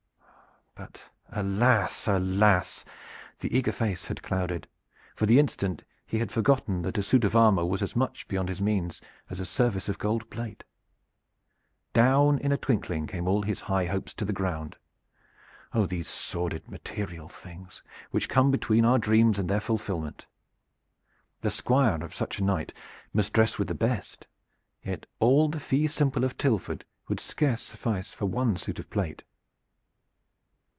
But alas, alas!" The eager face had clouded. For the instant he had forgotten that a suit of armor was as much beyond his means as a service of gold plate. Down in a twinkling came all his high hopes to the ground. Oh, these sordid material things, which come between our dreams and their fulfilment! The Squire of such a knight must dress with the best. Yet all the fee simple of Tilford would scarce suffice for one suit of plate.